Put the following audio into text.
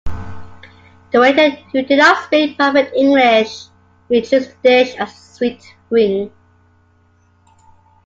The waiter, who did not speak perfect English, introduced the dish as sweet wing.